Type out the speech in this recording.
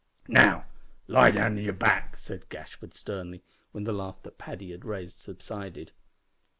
"Now, lie down on your back," said Gashford, sternly, when the laugh that Paddy had raised subsided.